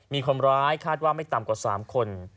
มีคนร้ายคาดว่าไม่ต่ำกว่า๓คน